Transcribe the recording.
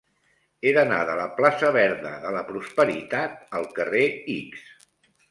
He d'anar de la plaça Verda de la Prosperitat al carrer X.